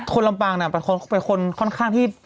คนลำปังเป็นคนค่อนข้างที่